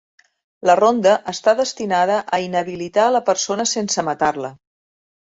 La ronda està destinada a inhabilitar a la persona sense matar-la.